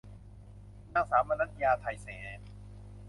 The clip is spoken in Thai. นางสาวมนัญญา ไทยเศรษฐ์